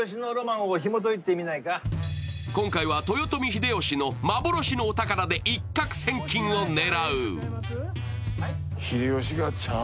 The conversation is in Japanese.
今回は豊臣秀吉の幻のお宝で一獲千金を狙う。